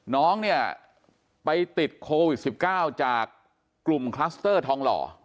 น้องเนี่ยไปติดโควิด๑๙จากกลุ่มคลัสเตอร์ทองหล่อ